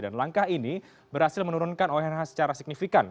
dan langkah ini berhasil menurunkan onh secara signifikan